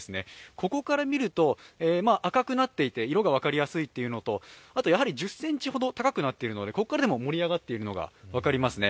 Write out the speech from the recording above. ここから見ると、赤くなっていて色が分かりやすいというのとあと１０ｃｍほど高くなっているのでここからでも盛り上がっているのが分かりますね。